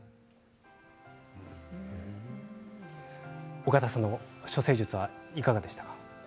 おがたさんの処世術はいかがでしたか？